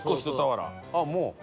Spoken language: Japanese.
あっもう。